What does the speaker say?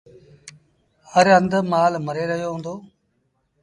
هر هنڌ مآل مري رهيو هُݩدو۔